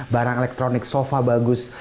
barang elektronik sofa bagus